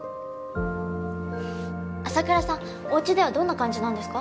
おうちではどんな感じなんですか？